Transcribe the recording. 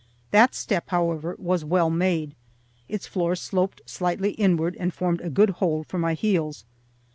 That step, however, was well made; its floor sloped slightly inward and formed a good hold for my heels.